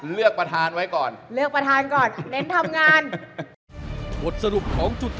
เลือกประธานไว้ก่อน